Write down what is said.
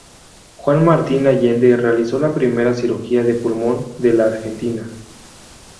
Juan Martín Allende realizó la primera cirugía de pulmón de la Argentina.